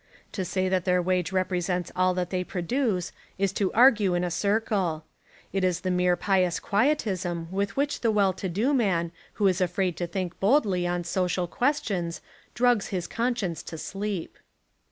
To say that their wage represents all that they produce is to argue in a circle. It is the mere pious quietism with which the well to do man who is afraid to think boldly on so cial questions drugs his conscience to sleep.